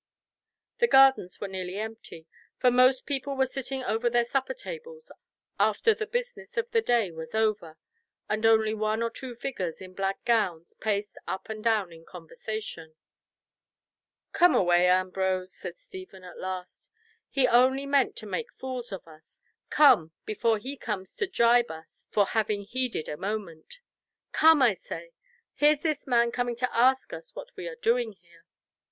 The gardens were nearly empty, for most people were sitting over their supper tables after the business of the day was over, and only one or two figures in black gowns paced up and down in conversation. "Come away, Ambrose," said Stephen at last. "He only meant to make fools of us! Come, before he comes to gibe us for having heeded a moment. Come, I say—here's this man coming to ask us what we are doing here."